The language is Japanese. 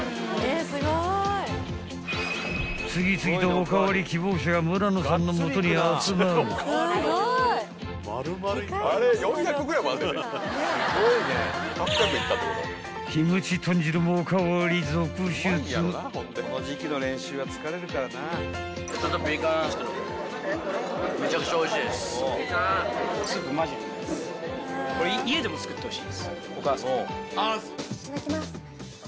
［次々とお代わり希望者が村野さんの元に集まる］いただきます。